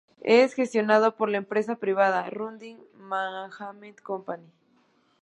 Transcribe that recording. Es gestionado por la empresa privada Rudin Management Company.